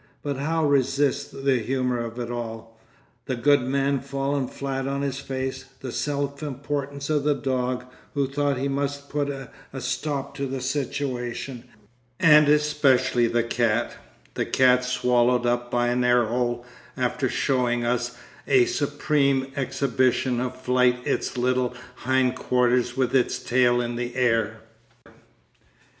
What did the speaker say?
But how resist the humour of it all: the good man fallen flat on his face, the self importance of the dog, who thought he must put a stop to the situation, and especially the cat, the cat swallowed up by an air hole after showing us as a supreme exhibition of flight its little hindquarters with its tail in the air.